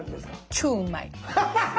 超うまい。